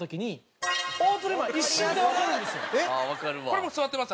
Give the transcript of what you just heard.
これもう座ってます。